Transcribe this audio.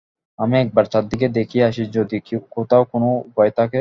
আমি একবার চারিদিকে দেখিয়া আসি যদি কোথাও কোনো উপায় থাকে।